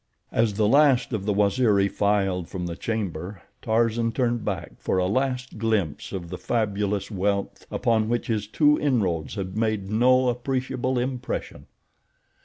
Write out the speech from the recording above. As the last of the Waziri filed from the chamber, Tarzan turned back for a last glimpse of the fabulous wealth upon which his two inroads had made no appreciable impression.